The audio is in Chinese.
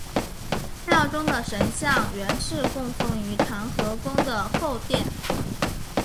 庙中的神像原是供奉于长和宫的后殿。